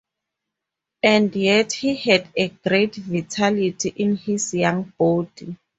And yet he had a great vitality in his young body.